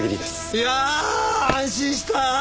いや安心した！